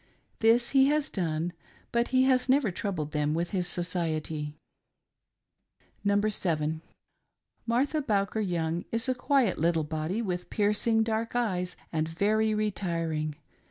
This he has done, but he has never troubled them with his society. MARTHA BOWKER YOUNG. [Number Seven.] Martha Bowker Young is a quiet little body, with piercing dark eyes, and very retiring.